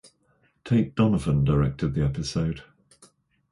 Tate Donovan directed the episode.